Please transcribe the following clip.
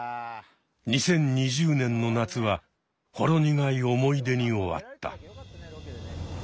２０２０年の夏はほろ苦い思い出に終わった。